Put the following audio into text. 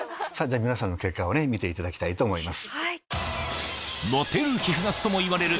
皆さんの結果を見ていただきたいと思います。